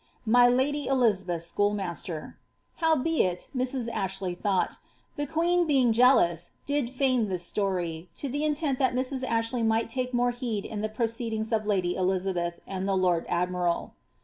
my lady Elizabeth's schoolmaster. Howbeit, Mrs. >ught, the queen being jealous did feign this story to the intent Ashley might take more iieed to the proceedings of lady Eli d the lord admiral."